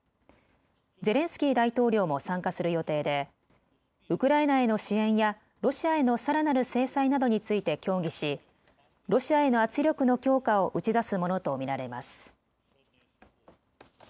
ゼレンスキー大統領も参加する予定でウクライナへの支援やロシアへのさらなる制裁などについて協議しロシアへの圧力の強化を打ち出すものと見られます。